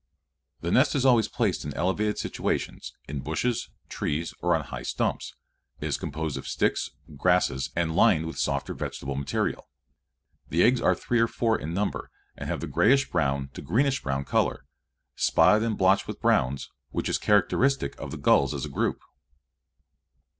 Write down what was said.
The nest is always placed in elevated situations, in bushes, trees, or on high stumps, and is composed of sticks, grasses, and lined with softer vegetable material. The eggs are three or four in number and have the grayish brown to greenish brown color, spotted and blotched with browns, which is characteristic of the gulls as a group.